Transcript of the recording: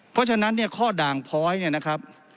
เพราะฉะนั้นเนี่ยข้อด่างพ้อยเนี่ยนะครับ